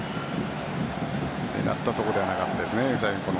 狙ったところではなかったですね。